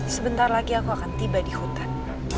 sebentar lagi aku akan tiba di hutan